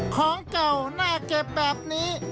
ของเก่าน่าเก็บแบบนี้